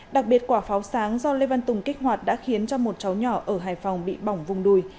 đặc biệt quả pháo sáng do lê văn tùng kích hoạt đã khiến cho một cháu nhỏ ở hải phòng bị bỏng vùng đùi